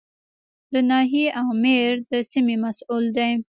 د ناحیې آمر د سیمې مسوول دی